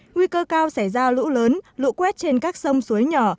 nguy cơ cao xảy ra lũ lớn lũ quét trên các sông suối nhỏ